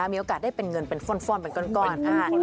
มีโอกาสได้เป็นเงินเป็นฟ่อนเป็นก้อน